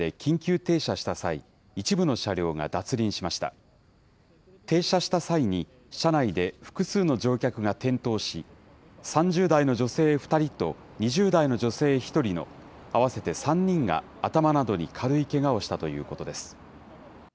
停車した際に車内で複数の乗客が転倒し、３０代の女性２人と２０代の女性１人の合わせて３人が、頭などに軽いけがをしたということです。